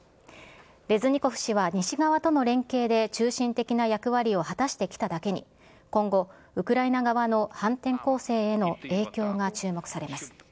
レズニコフ氏は西側との連携で中心的な役割を果たしてきただけに、今後、ウクライナ側の反転攻勢への影響が注目されます。